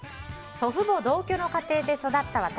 祖父母同居の家庭で育った私。